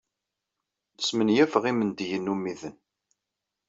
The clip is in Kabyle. Smenyafeɣ imendiyen ummiden.